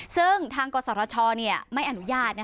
ซึ่งทางกฎสรทชไม่อนุญาตนะคะ